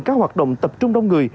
các hoạt động tập trung đông người